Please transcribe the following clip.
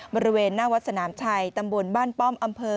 บริเวณหน้าวัดสนามชัยตำบลบ้านป้อมอำเภอ